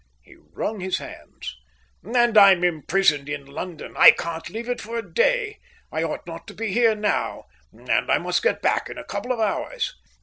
He wrung his hands. "And I'm imprisoned in London! I can't leave it for a day. I ought not to be here now, and I must get back in a couple of hours.